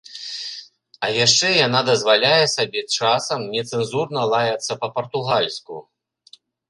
А яшчэ яна дазваляе сабе часам нецэнзурна лаяцца па-партугальску.